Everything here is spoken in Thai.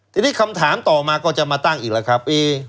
ทีนี้คำถามต่อมาก็จะมาตั้งอีกแล้วครับ